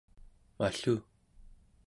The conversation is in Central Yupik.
mallu